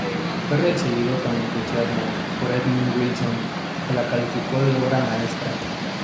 Fue recibido con entusiasmo por Edmund Wilson, que la calificó de obra maestra.